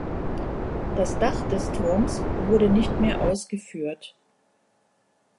Das Dach des Turms wurde nicht mehr ausgeführt.